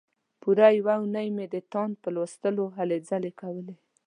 پوره یوه اونۍ مې د تاند په لوستلو هلې ځلې کولې.